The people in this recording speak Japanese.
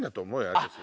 私。